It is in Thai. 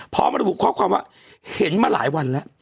พร้อมระบุข้อความว่าเห็นมาหลายวันแล้ว